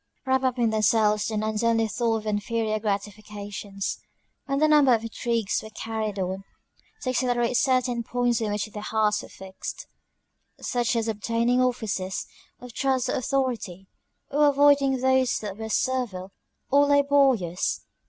Wrapped up in themselves, the nuns only thought of inferior gratifications. And a number of intrigues were carried on to accelerate certain points on which their hearts were fixed: Such as obtaining offices of trust or authority; or avoiding those that were servile or laborious.